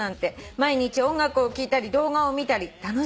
「毎日音楽を聴いたり動画を見たり楽しいんです」